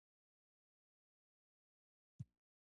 مېلې د عنعنوي فرهنګ ښکارندویي کوي.